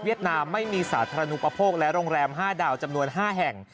นามไม่มีสาธารณูปโภคและโรงแรม๕ดาวจำนวน๕แห่ง